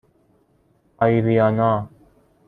آیریانا